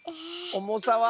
おもさは？